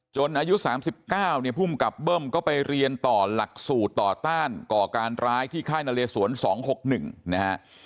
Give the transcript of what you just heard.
อายุ๓๙เนี่ยภูมิกับเบิ้มก็ไปเรียนต่อหลักสูตรต่อต้านก่อการร้ายที่ค่ายนเลสวน๒๖๑นะฮะ